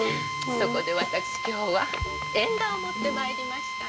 そこでわたくし今日は縁談を持って参りましたの。